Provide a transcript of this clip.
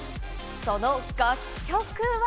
その楽曲は？